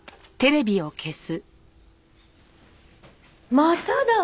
まただわ。